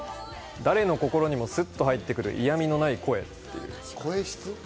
誰の心にもスッと入ってくる嫌みのない声。